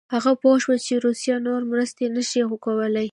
هغه پوه شو چې روسیه نور مرستې نه شي کولای.